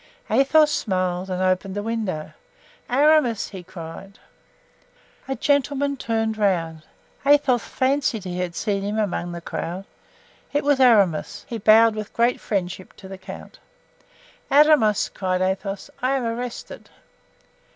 Athos smiled and opened the window. "Aramis!" he cried. A gentleman turned around. Athos fancied he had seen him among the crowd. It was Aramis. He bowed with great friendship to the count. "Aramis," cried Athos, "I am arrested."